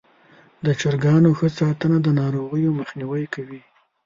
د چرګانو ښه ساتنه د ناروغیو مخنیوی کوي.